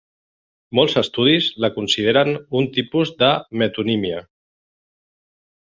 Molts estudis la consideren un tipus de metonímia.